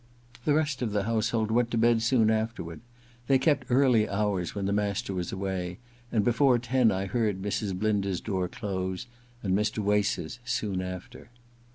The rest of the household went to bed soon afterward ; they kept early hours when the master was away, and before ten I heard Mrs. Blinder's door close, and Mr. Wace's soon after.